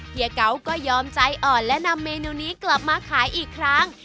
เยีเก่าก็ยอมใจอ่อนและนำเมนูนี้กลับมาขายอีกครั้ง